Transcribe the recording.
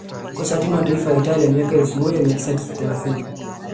kocha wa timu ya taifa ya Italia miaka ya elfu moja mia tisa thelathini